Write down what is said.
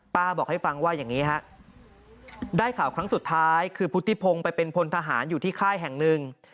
บอกให้ฟังว่าอย่างนี้ฮะได้ข่าวครั้งสุดท้ายคือพุทธิพงศ์ไปเป็นพลทหารอยู่ที่ค่ายแห่งหนึ่ง